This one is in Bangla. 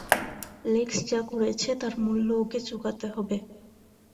লেক্স যা করেছে তার মূল্য ওকে চুকাতে হবে।